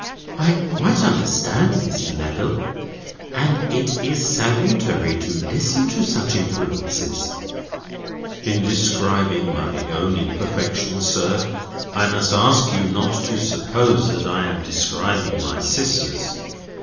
"I quite understand, Mr. Neville. And it is salutary to listen to such influences." "In describing my own imperfections, sir, I must ask you not to suppose that I am describing my sister's.